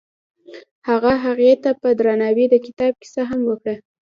هغه هغې ته په درناوي د کتاب کیسه هم وکړه.